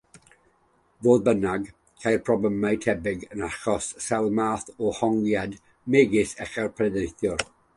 Fodd bynnag, ceir problemau tebyg yn achos sawl math o hongiad, megis echel pendilio.